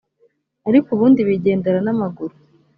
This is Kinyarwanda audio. ariko ubundi bigendera n’amaguru